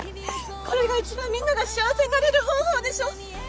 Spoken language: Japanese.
これが一番みんなが幸せになれる方法でしょ！？